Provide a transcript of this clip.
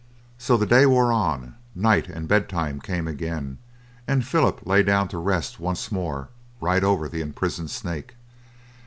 So the day wore on, night and bedtime came again, and Philip lay down to rest once more right over the imprisoned snake.